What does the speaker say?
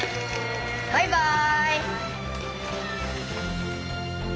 バイバイ。